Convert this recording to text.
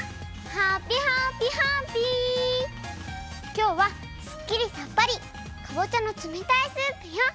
きょうはすっきりさっぱりかぼちゃの冷たいスープよ。